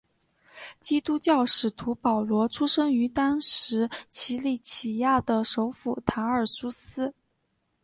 基督教使徒保罗出生于当时奇里乞亚的首府塔尔苏斯。